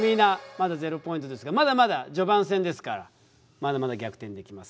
まだ０ポイントですがまだまだ序盤戦ですからまだまだ逆転できます。